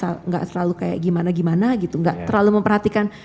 saya gak selalu kayak gimana gimana gitu gak terlalu memperhatikan